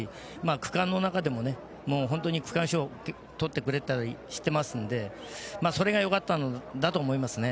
区間の中でも本当に区間賞を取ってくれたりしてるのでそれがよかったんだと思います。